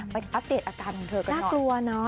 ไปอัปเดตอาการของเธอกันหน่อย